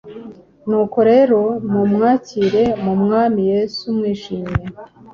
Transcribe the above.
Nuko rero, mumwakire mu Mwami Yesu mwishimye;